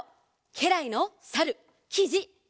けらいのさるきじいぬ。